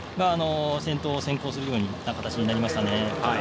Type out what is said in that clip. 先頭、先行する形になりましたね。